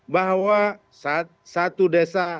bahwa satu desa